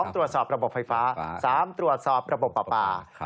ตรวจสอบระบบไฟฟ้า๓ตรวจสอบระบบปลาปลา